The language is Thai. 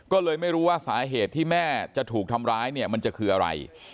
ก็เลยไม่รู้ว่าสาเหตุที่แม่จะถูกทำร้ายเนี่ยมันจะคืออะไร